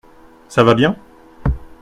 Ça va bien ?